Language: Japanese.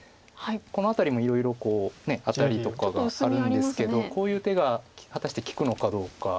この辺りもいろいろアタリとかがあるんですけどこういう手が果たして利くのかどうか。